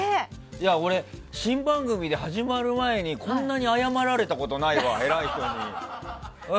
俺、新番組で始まる前にこんなに謝られたことないわ偉い人に。